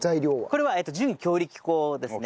これは準強力粉ですね。